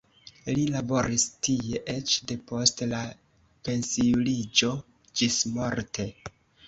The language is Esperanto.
Li laboris tie eĉ depost la pensiuliĝo ĝismorte.